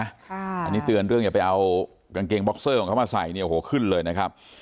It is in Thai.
อันนี้เตือนเรื่องอย่าไปเอากางเกงบ็อกเซอร์ของเขามาใส่เนี่ยโอ้โหขึ้นเลยนะครับ